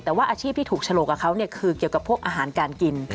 แต่ว่าอาชีพที่ถูกฉลกกับเขาคือเกี่ยวกับพวกอาหารการกิน